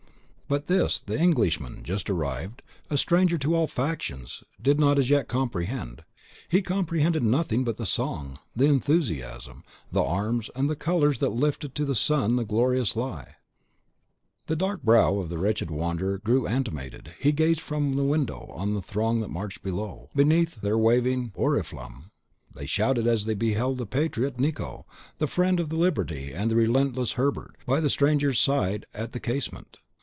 But this, the Englishman, just arrived, a stranger to all factions, did not as yet comprehend. He comprehended nothing but the song, the enthusiasm, the arms, and the colours that lifted to the sun the glorious lie, "Le peuple Francais, debout contre les tyrans!" (Up, Frenchmen, against tyrants!) The dark brow of the wretched wanderer grew animated; he gazed from the window on the throng that marched below, beneath their waving Oriflamme. They shouted as they beheld the patriot Nicot, the friend of Liberty and relentless Hebert, by the stranger's side, at the casement.